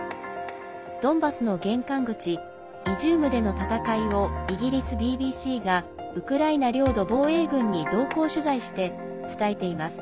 ドンバスの玄関口イジュームでの戦いをイギリスＢＢＣがウクライナ領土防衛軍に同行取材して伝えています。